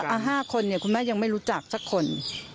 อ่าคนคุณแม่ยังไม่รู้จักสักคน